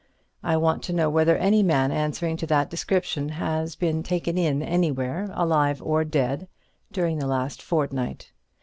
I want to know whether any man answering to that description has been taken in anywhere, alive or dead, during the last fortnight.